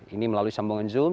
ini melalui sambungan zoom